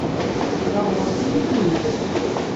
Ṛeḍlet-iyi-ten-id.